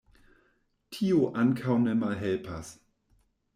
Tio ankaŭ ne malhelpas.